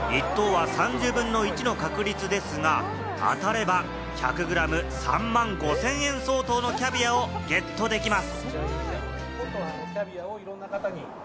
１等は３０分の１の確率ですが、当たれば１００グラム３万５０００円相当のキャビアをゲットできます。